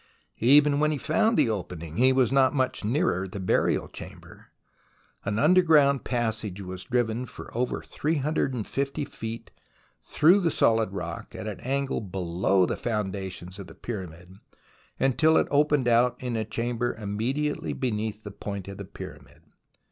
Even when he found the opening, he was not much nearer the burial chamber. An underground passage was driven for over 350 feet through the solid rock at an angle below the foundations of the Pyramid, until it opened out in a chamber immedi ately beneath the point of the Pyramid.